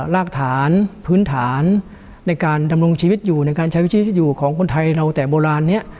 รากฐานพื้นฐานในการดำรงชีวิตอยู่ในการใช้วิธีที่อยู่ของคนไทยเราแต่โบราณนี้